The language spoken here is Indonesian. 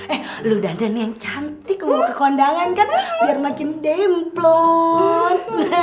eh lo dandan yang cantik mau ke kondangan kan biar makin demplon